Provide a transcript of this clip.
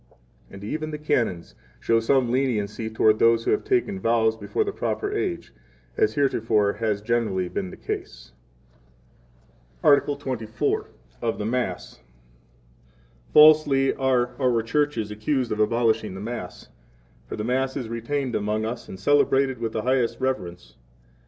26 And even the Canons show some leniency toward those who have taken vows before the proper age, as heretofore has generally been the case. Article XXIV. Of the Mass. 1 Falsely are our churches accused of abolishing the Mass; for the Mass is retained among 2 us, and celebrated with the highest reverence.